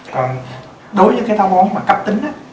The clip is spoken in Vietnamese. còn đối với cái táo bón mà cấp tính á